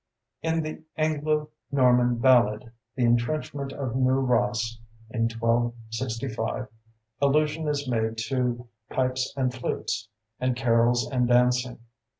In the Anglo Norman ballad, "The Entrenchment of New Ross" in 1265 allusion is made to pipes and flutes, and carols and dancing.